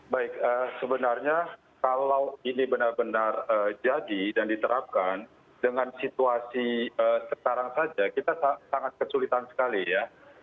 baik sebenarnya kalau ini benar benar jadi dan diterapkan dengan situasi sekarang saja kita sangat kesulitan sekali ya